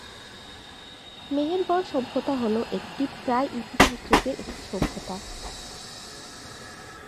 মেহেরগড় সভ্যতা হল একটি প্রায়-ইতিহাস যুগের একটি সভ্যতা।